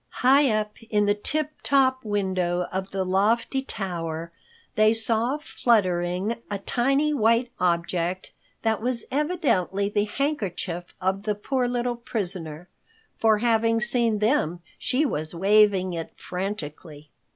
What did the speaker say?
High up in the tip top window of the lofty tower they saw fluttering a tiny white object that was evidently the handkerchief of the poor little prisoner, for having seen them she was waving it frantically.